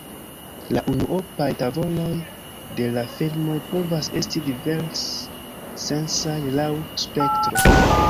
La unuopaj tavoloj de la filmoj povas esti divers-sensaj laŭ spektro.